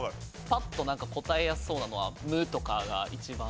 パッと答えやすそうなのは「無」とかが一番。